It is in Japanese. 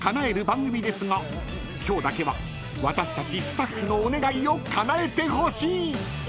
［今日だけは私たちスタッフのお願いを叶えてほしい！］